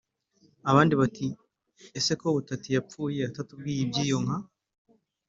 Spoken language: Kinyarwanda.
Abandi bati: “Ese ko Butati yapfuye atatubwiye iby’iyo nka